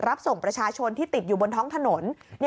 รับส่งประชาชนที่ติดอยู่บนท้องถนน